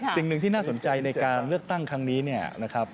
สิ่งหนึ่งที่น่าสนใจในการเลือกตั้งครั้งนี้เนี่ยนะครับ